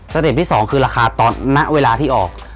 เต็ปที่๒คือราคาตอนณเวลาที่ออก